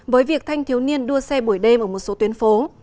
với việc thanh thiếu niên đua xe buổi đêm ở một số tuyến phố